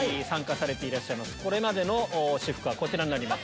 これまでの私服はこちらになります。